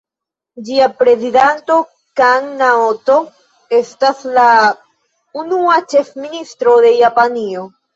Ĝia prezidanto Kan Naoto estas la nuna ĉefministro de Japanio.